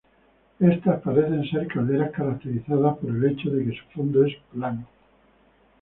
Estas parecen ser calderas caracterizadas por el hecho de que su fondo es plano.